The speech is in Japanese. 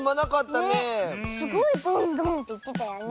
すごいドンドンっていってたよね。